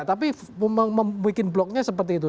tapi membuat bloknya seperti itu